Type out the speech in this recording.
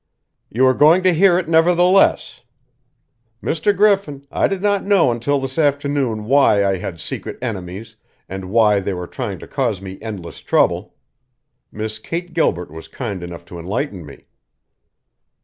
"You are going to hear it, nevertheless! Mr. Griffin, I did not know until this afternoon why I had secret enemies and why they were trying to cause me endless trouble. Miss Kate Gilbert was kind enough to enlighten me."